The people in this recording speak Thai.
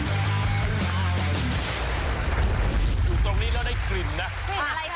อะไรคะ